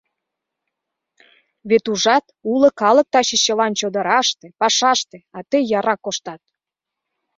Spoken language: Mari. Вет ужат, уло калык таче чылан чодыраште, пашаште, а тый яра коштат.